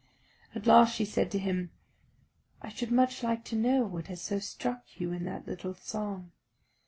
At last she said to him, "I should much like to know what has so struck you in that little song.